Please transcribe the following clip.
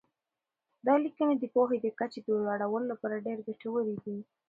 دا لیکنې د پوهې د کچې د لوړولو لپاره ډېر ګټورې دي.